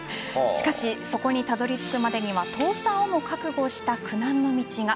しかしそこにたどり着くまでには倒産をも覚悟した苦難の道が。